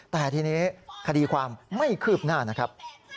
แต่ทีนี้คดีความไม่คืบหน้านะครับ